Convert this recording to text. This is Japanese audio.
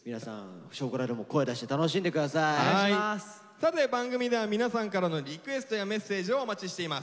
さて番組では皆さんからのリクエストやメッセージをお待ちしています。